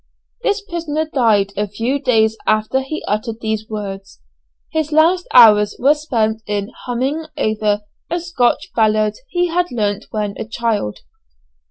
This prisoner died a few days after he uttered these words. His last hours were spent in humming over a Scotch ballad he had learnt when a child.